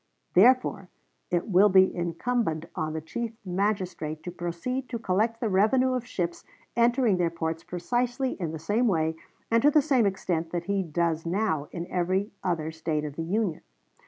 Therefore, it will be incumbent on the chief magistrate to proceed to collect the revenue of ships entering their ports precisely in the same way and to the same extent that he does now in every other State of the Union.